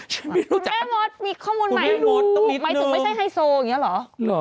ฉันไม่รู้จักเขาคุณแม่มดมีข้อมูลใหม่รู้หมายถึงไม่ใช่ไฮโซอย่างนี้หรือเหรอ